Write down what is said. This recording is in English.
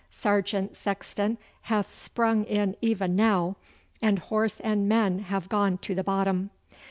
'Sergeant Sexton hath sprung in even now, and horse and man have gone to the bottom!